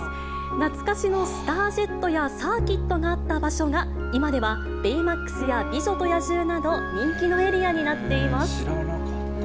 懐かしのスタージェットやサーキットがあった場所が、今ではベイマックスや美女と野獣など、人気のエリアになっています。